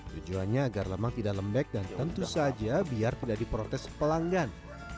tujuannya agar lemak tidak lembek dan tentu saja biar tidak diprotes pelanggan